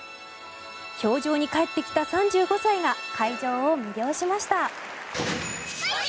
氷上に帰ってきた３５歳が会場を魅了しました。